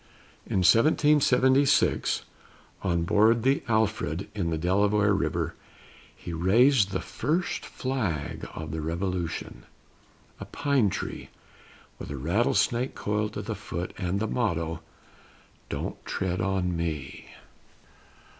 In 1776, on board the Alfred, in the Delaware River, he raised the first flag of the Revolution, a pine tree, with a rattlesnake coiled at the foot, and the motto, "Don't tread on me."